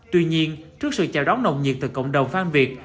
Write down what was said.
tuy nhiên trước sự chào đón nồng nhiệt từ cộng đồng phan việt